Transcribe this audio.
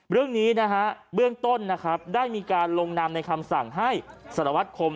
เรื่องนี้เบื้องต้นได้มีการลงนามในคำสั่งให้สรวจคม